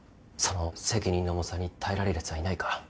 その責任の重さに耐えられるやつはいないか。